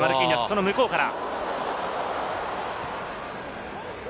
その向こうから。